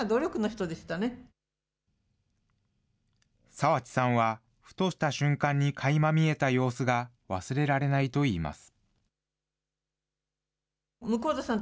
澤地さんは、ふとした瞬間にかいま見えた様子が忘れられないといいます。